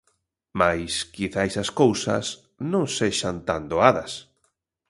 Mais quizais as cousas non sexan tan doadas.